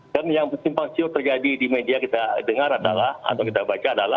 dan yang simpang siur terjadi di media kita dengar adalah atau kita baca adalah